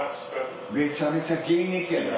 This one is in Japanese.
めちゃめちゃ現役やな！